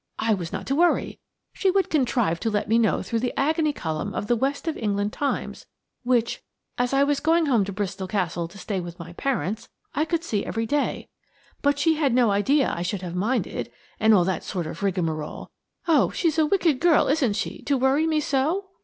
I was not to worry; she would contrive to let me know through the agony column of the West of England Times, which–as I was going home to Bristol Castle to stay with my parents–I could see every day, but she had no idea I should have minded, and all that sort of rigmarole. Oh! she is a wicked girl, isn't she, to worry me so?"